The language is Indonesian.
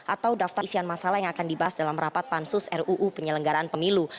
atau daftar isian masalah yang akan dibahas dalam rapat pansus ruu penyelenggaraan pemilu